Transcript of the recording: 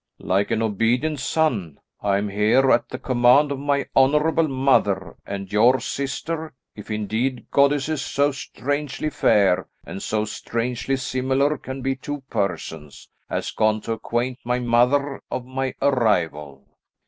"Like an obedient son, I am here at the command of my honourable mother; and your sister if indeed goddesses so strangely fair, and so strangely similar can be two persons has gone to acquaint my mother of my arrival."